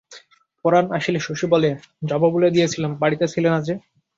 পরান আসিলে শশী বলে, যাব বলে দিয়েছিলাম, বাড়িতে ছিলে না যে?